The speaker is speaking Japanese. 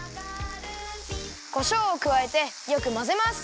こしょうをくわえてよくまぜます。